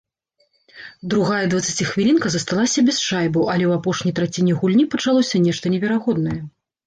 Другая дваццаціхвілінка засталася без шайбаў, але ў апошняй траціне гульні пачалося нешта неверагоднае.